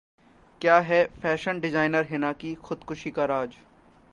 क्या है fashion designer 'Hina' की खुदकुशी का राज?